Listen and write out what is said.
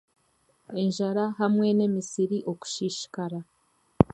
Enjara hamwe n'emisiri okushiishikara.